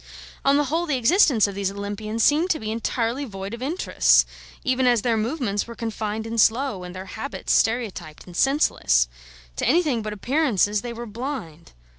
On the whole, the existence of these Olympians seemed to be entirely void of interests, even as their movements were confined and slow, and their habits stereotyped and senseless. To anything but appearances they were blind.